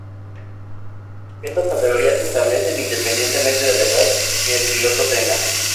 Estas categorías se establecen independientemente de la edad que el piloto tenga.